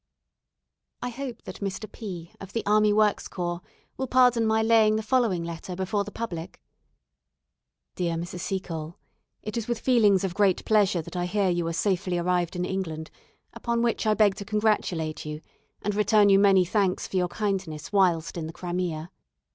I hope that Mr. P , of the Army Works Corps, will pardon my laying the following letter before the public: "Dear Mrs. Seacole, It is with feelings of great pleasure that I hear you are safely arrived in England, upon which I beg to congratulate you, and return you many thanks for your kindness whilst in the Crimea.